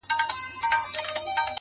د غم شپيلۍ راپسي مه ږغـوه ـ